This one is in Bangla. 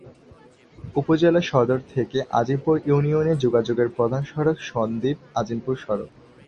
উপজেলা সদর থেকে আজিমপুর ইউনিয়নে যোগাযোগের প্রধান সড়ক সন্দ্বীপ-আজিমপুর সড়ক।